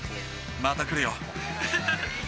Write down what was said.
また来るよ。